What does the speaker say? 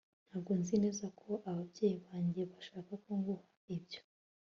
ntabwo nzi neza ko ababyeyi banjye bashaka ko nguha ibyo